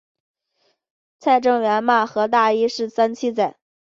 蔡正元骂何大一是三七仔。